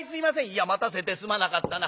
「いや待たせてすまなかったな。